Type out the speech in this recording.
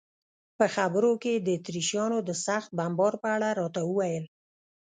په خبرو کې یې د اتریشیانو د سخت بمبار په اړه راته وویل.